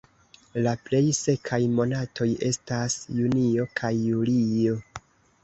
La plej sekaj monatoj estas junio kaj julio.